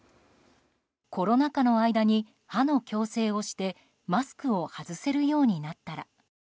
コロナ禍の間に歯の矯正をしてマスクを外せるようになったら。